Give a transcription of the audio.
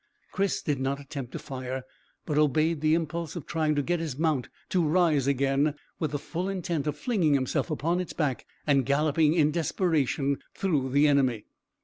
Chris did not attempt to fire, but obeyed the impulse of trying to get his mount to rise again, with the full intent of flinging himself upon its back and galloping in desperation through the enemy.